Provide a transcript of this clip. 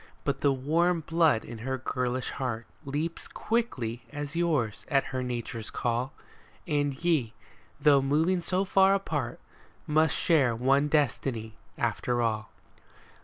But the warm blood in her girlish heart Leaps quick as yours at her nature's call. And ye, though moving so far apart, Mifst share one destiny after all.